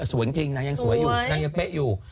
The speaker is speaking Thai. สวยจริงนางยังสวยอยู่นางยังเป๊ะอยู่